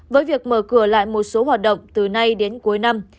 với việc mở cửa lại một số hoạt động từ nay đến cuối năm